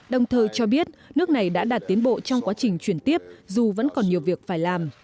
đồng thời cho biết nước này đã đạt tiến bộ trong quá trình chuyển tiếp dù vẫn còn nhiều việc phải làm